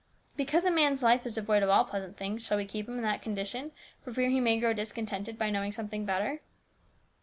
' Because a man's life is devoid of all pleasant things, shall we keep him in that condition, for fear he may grow discontented by knowing something better